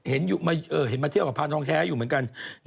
เห็นมาเที่ยวกับพานทองแท้อยู่เหมือนกัน